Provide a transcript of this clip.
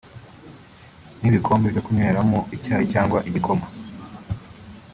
n’ibikombe byo kunyweramo icyayi cyangwa igikoma